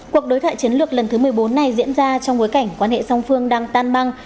cuộc đối thoại chiến lược lần thứ một mươi bốn này diễn ra trong bối cảnh quan hệ song phương đang tan băng